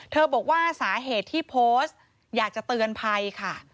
บอกว่าสาเหตุที่โพสต์อยากจะเตือนภัยค่ะ